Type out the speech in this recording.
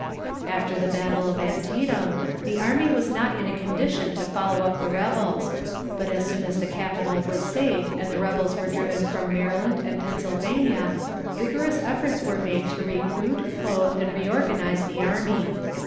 After the battle of Antietam, the army was not in a condition to follow up the rebels; but as soon as the Capital was safe, and the rebels were driven from Maryland and Pennsylvania, vigorous efforts were made to recruit, clothe, and reorganize the army.